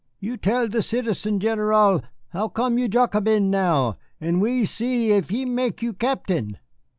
You tell the Citizen General how come you Jacobin now, and we see if he mek you Captain."